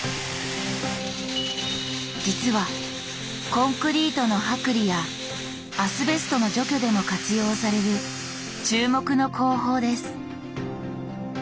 実はコンクリートの剥離やアスベストの除去でも活用される注目の工法です。